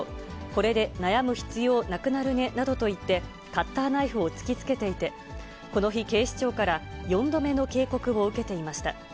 これで悩む必要なくなるねなどと言ってカッターナイフを突きつけていて、この日、警視庁から４度目の警告を受けていました。